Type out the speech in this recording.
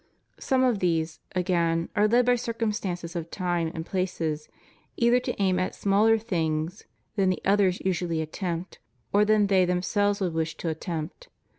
Some of these, again, are led by circumstances of times and places either to aim at smaller things than the others usually attempt, or than they themselves would wish to attempt.